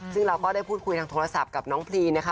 ซึ่งเราก็ได้พูดคุยทางโทรศัพท์กับน้องพรีนะคะ